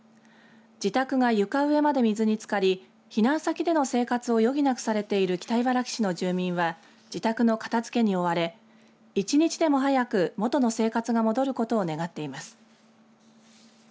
自宅が床上まで水につかり避難先での生活を余儀なくされている北茨城市の住民は自宅の片づけに追われ１日でも早く元の生活が戻ることを願っています。